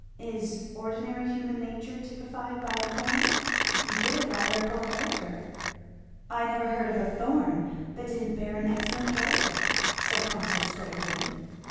"Is 'ordinary human nature' typified by a thorn? You give it rather a poor character." "I never heard of a Thorn that didn't bear an excellent character!" said Constance gravely.